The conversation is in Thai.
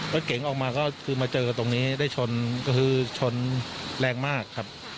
รถเก๋งออกมาก็คือมาเจอตรงนี้ได้ชนก็คือชนแรงมากครับ